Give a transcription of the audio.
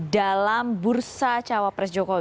dalam bursa cawa pres jokowi